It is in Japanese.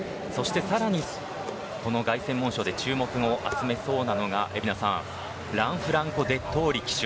さらにこの凱旋門賞で注目を集めそうなのがランフランコ・デットーリ騎手